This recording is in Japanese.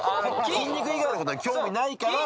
筋肉以外のことは興味ないから。